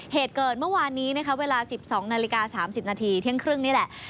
เหตุเกิดเมื่อวานนี้นะคะเวลา๑๒นาฬิกา๓๐นาทีเที่ยงครึ่งนี่แหละ